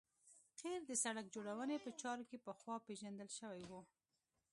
قیر د سرک جوړونې په چارو کې پخوا پیژندل شوی و